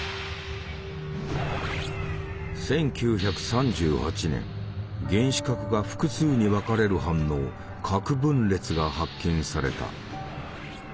１９３８年原子核が複数に分かれる反応「核分裂」が発見された。